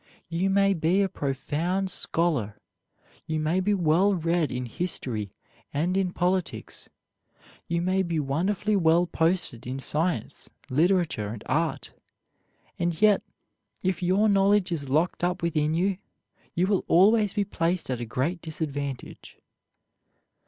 You may be a profound scholar, you may be well read in history and in politics, you may be wonderfully well posted in science, literature, and art, and yet, if your knowledge is locked up within you, you will always be placed at a great disadvantage.